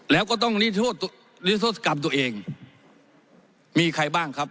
แล้วก็ต้องนิทธศกรรมตัวเองมีใครบ้างครับ